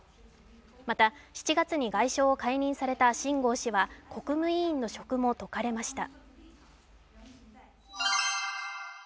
また、７月に外相を解任された秦剛氏は国務委員の職も解かれました。